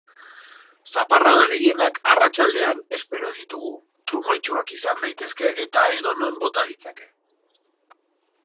Zaparrada gehienak arratsaldean espero ditugu, trumoitsuak izan daitezke eta edonon bota ditzake.